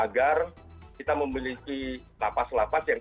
agar kita memiliki lapas lapas yang